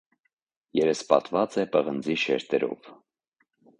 Երեսպատված է պղնձի շերտերով։